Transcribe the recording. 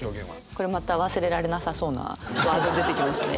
これまた忘れられなさそうなワード出てきましたね。